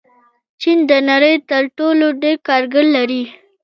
چین د نړۍ تر ټولو ډېر کارګر لري.